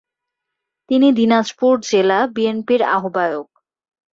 তিনি দিনাজপুর জেলা বিএনপির আহ্বায়ক।